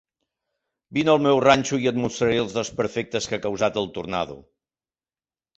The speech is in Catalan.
Vine al meu ranxo i et mostraré els desperfectes que ha causat el tornado.